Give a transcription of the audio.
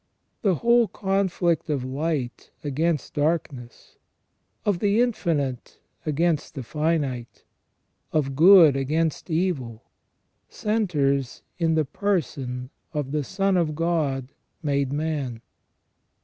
The whole conflict of light against darkness, of the infinite against the finite, of good against evil, centres in the Person of the Son of God made man.